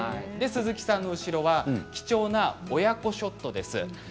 鈴木さんの後ろは貴重な親子ショットです。